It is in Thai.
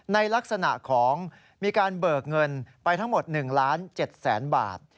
ในลักษณะของมีการเบิกเงินไปทั้งหมด๑ล้าน๗แสนบาท